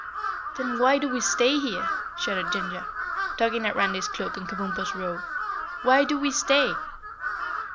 "Then why do we stay here?" shuddered Ginger, tugging at Randy's cloak and Kabumpo's robe. "Why do we stay?"